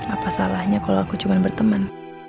apa salahnya kalau aku cuma berteman